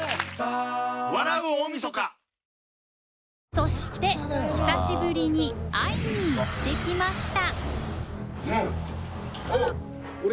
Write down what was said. そして久しぶりに会いに行ってきました